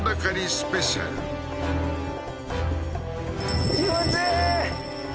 スペシャル気持ちいい！